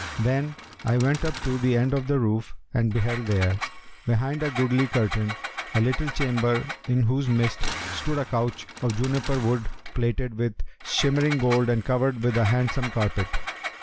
Then I went up to the end of the roof and beheld there, behind a goodly curtain, a little chamber in whose midst stood a couch of juniper wood[FN#285] plated with shimmering gold and covered with a handsome carpet.